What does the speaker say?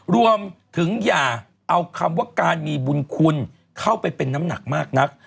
รวมถึงอย่าเอาคำว่าการมีบุญคุณเข้าไปเป็นน้ำหนักมากนัก